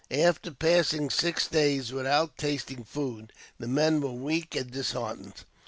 " After passing six days without tasting food, the men were weak and disheartened.